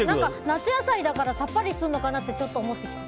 夏野菜だからさっぱりするのかなと思った。